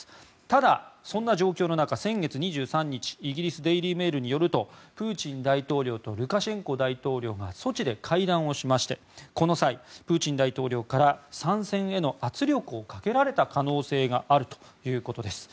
ただ、そんな状況の中先月２３日イギリスデイリー・メールによるとプーチン大統領とルカシェンコ大統領がソチで会談をしましてこの際、プーチン大統領から参戦への圧力をかけられた可能性があるということです。